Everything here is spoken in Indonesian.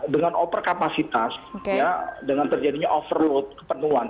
dengan over kapasitas ya dengan terjadinya overload kepenuhan